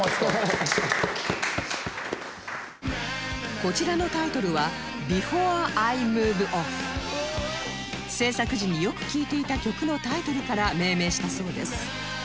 こちらのタイトルは制作時によく聴いていた曲のタイトルから命名したそうです